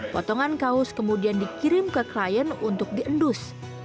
potongan kaos kemudian dikirim ke klien untuk diendus